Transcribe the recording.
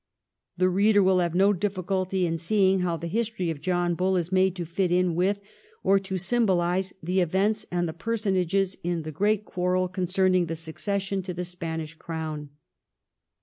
The reader will have no difficulty in seeing how the ' History of John Bull ' is made to fit in with or to symbolise the events and the personages in the great quarrel concerning the succession to the Spanish crown.